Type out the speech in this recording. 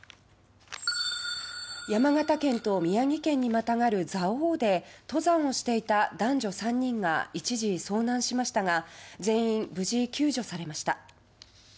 山形県と宮城県にまたがる蔵王で登山をしていた男女３人が一時遭難しましたが全員無事、救助されました。